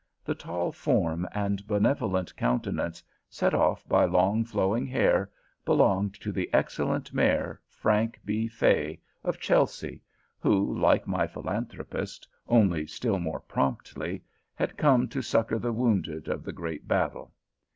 The tall form and benevolent countenance, set off by long, flowing hair, belonged to the excellent Mayor Frank B. Fay of Chelsea, who, like my Philanthropist, only still more promptly, had come to succor the wounded of the great battle.